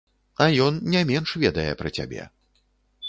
А ён не менш ведае пра цябе.